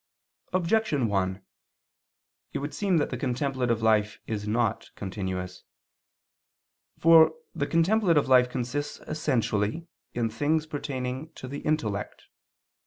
Objection 1: It would seem that the contemplative life is not continuous. For the contemplative life consists essentially in things pertaining to the intellect.